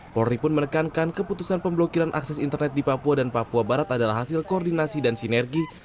polri pun menekankan keputusan pemblokiran akses internet di papua dan papua barat adalah hasil koordinasi dan sinergi